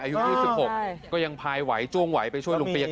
อายุ๒๖ก็ยังพายไหวจ้วงไหวไปช่วยลุงเปี๊ยก